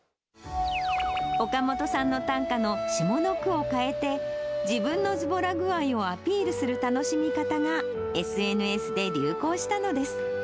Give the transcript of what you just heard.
岡本さんの短歌の下の句を変えて、自分のずぼら具合をアピールする楽しみ方がＳＮＳで流行したのです。